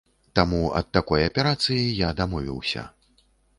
Таму ад такой аперацыі я дамовіўся.